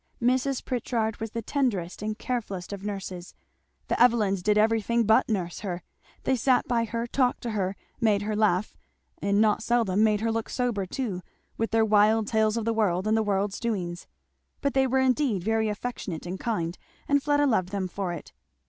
Mrs. Pritchard was the tenderest and carefullest of nurres. The Evelyns did everything but nurse her. They sat by her, talked to her, made her laugh, and not seldom made her look sober too, with their wild tales of the world and the world's doings. But they were indeed very affectionate and kind, and Fleda loved them for it.